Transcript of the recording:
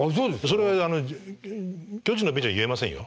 それは巨人のベンチでは言えませんよ。